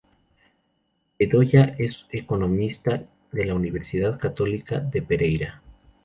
Bedoya es economista de la Universidad Católica de Pereira.